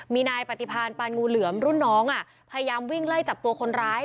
มีนายปฏิพาณปานงูเหลือมรุ่นน้องพยายามวิ่งไล่จับตัวคนร้าย